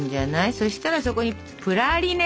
そしたらそこにプラリネ。